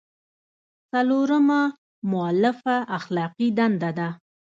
څلورمه مولفه اخلاقي دنده ده.